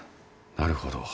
なるほど。